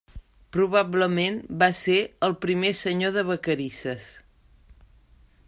Probablement va ser el primer Senyor de Vacarisses.